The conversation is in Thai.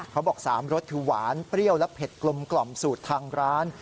เขาบอก๓รสคือหวานเปรี้ยวและเผ็ดกลมสูตรทางร้าน